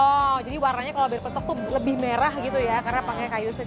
oh jadi warnanya kalau berpetok tuh lebih merah gitu ya karena pakai kayu seni